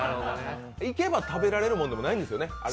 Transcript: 行けば食べられるものでもないんですよね、あれ。